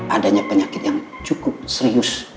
adanya penyakit yang cukup serius